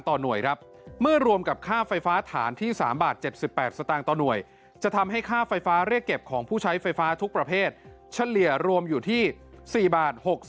ต่อหน่วยครับเมื่อรวมกับค่าไฟฟ้าฐานที่๓บาท๗๘สตางค์ต่อหน่วยจะทำให้ค่าไฟฟ้าเรียกเก็บของผู้ใช้ไฟฟ้าทุกประเภทเฉลี่ยรวมอยู่ที่๔บาท